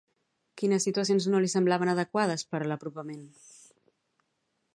Quines situacions no li semblaven adequades per a l'apropament?